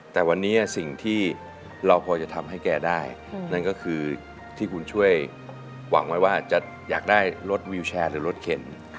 แต่วันนี้สิ่งที่เราพอจะทำให้แกได้นั่นก็คือที่คุณช่วยหวังไว้ว่าจะอยากได้รถวิวแชร์หรือรถเข็น